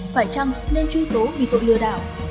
phải chăng nên truy tố vì tội lừa đảo